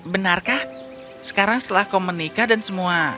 benarkah sekarang setelah kau menikah dan semua